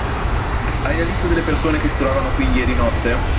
Hai la lista delle persone che si trovavano qui ieri notte?